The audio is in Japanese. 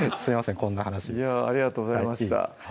こんな話でいやありがとうございました